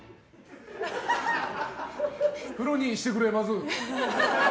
風呂にしてくれ、まず。